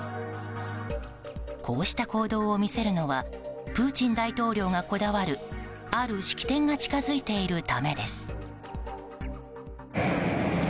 こうした行動を見せるのはプーチン大統領がこだわるある式典が近づいているためです。